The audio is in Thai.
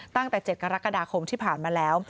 ตั้งแต่๗กรกฎาคมที่ผ่านมาแล้ว